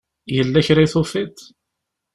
Yella kra i tufiḍ?